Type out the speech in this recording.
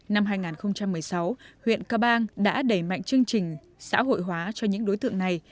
năm hai nghìn một mươi sáu huyện cơ bang đã đẩy mạnh chương trình xã hội hóa cho những đối tượng này